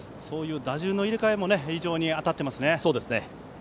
打順の入れ替えも非常に当たっていますね。